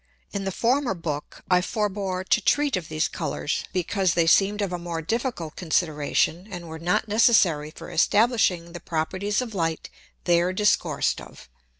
In the former Book I forbore to treat of these Colours, because they seemed of a more difficult Consideration, and were not necessary for establishing the Properties of Light there discoursed of.